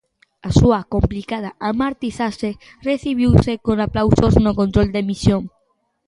A súa complicada amartizaxe recibiuse con aplausos no control de misión.